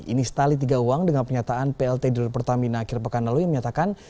ini setali tiga uang dengan penyataan plt del pertamina akhir pekan lalu yang menyatakan